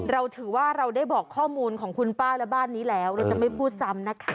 เราถือว่าเราได้บอกข้อมูลของคุณป้าและบ้านนี้แล้วเราจะไม่พูดซ้ำนะคะ